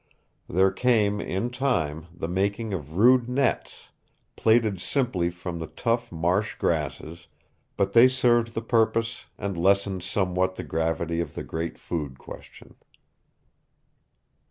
There came, in time, the making of rude nets, plaited simply from the tough marsh grasses, but they served the purpose and lessened somewhat the gravity of the great food question.